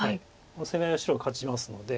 攻め合いは白が勝ちますので。